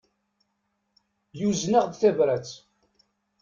Yuzen-aɣ-d tabrat.